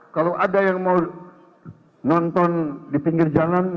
kalau ada yang mau nonton di pinggir jalan